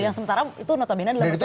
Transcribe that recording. yang sementara itu notabene adalah misalnya